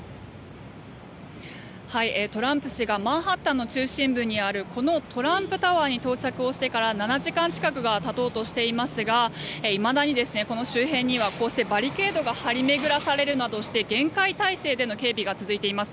トランプ氏がマンハッタンの中心部にあるこのトランプタワーに到着をしてから７時間近くが経とうとしていますがいまだにこの周辺にはこうしてバリケードが張り巡らされるなどして厳戒態勢での警備が続いています。